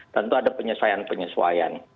tentu ada penyesuaian penyesuaian